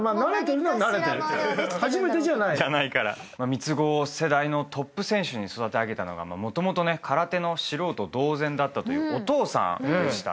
三つ子を世代のトップ選手に育て上げたのがもともと空手の素人同然だったというお父さんでしたね。